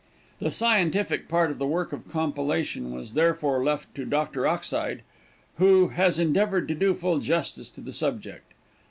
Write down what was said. The scientific part of the work of compilation was therefore left to Dr. Ockside, who has endeavored to do full justice to the subject.